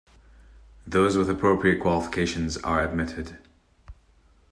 Those with appropriate qualifications are admitted.